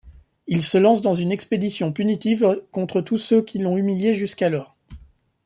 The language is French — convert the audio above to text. Il se lance dans une expédition punitive contre tous ceux qui l'ont humilié jusqu'alors.